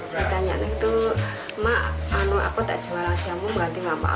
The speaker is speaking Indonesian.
saya tanya itu mak aku tak jualan jamu berarti mama